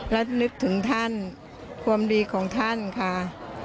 และนึกถึงท่านความดีของท่านค่ะ